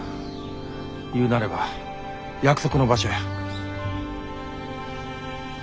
言うなれば約束の場所や。